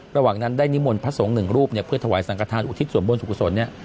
ระหว่างนั้นได้นิมนต์พระสงฆ์๑รูปเพื่อถวายสังฆราณอุทิศส่วนบนสุขสนธรรม